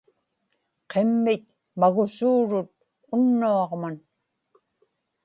qimmit magusuurut unnuaġman